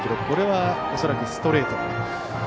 これは恐らくストレート。